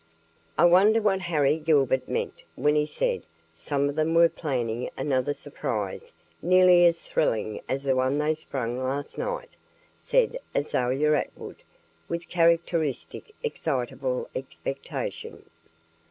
"I wonder what Harry Gilbert meant when he said some of them were planning another surprise nearly as thrilling as the one they sprung last night," said Azalia Atwood, with characteristic excitable expectation.